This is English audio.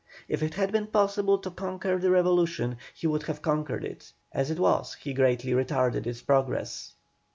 If it had been possible to conquer the revolution he would have conquered it; as it was he greatly retarded its progress.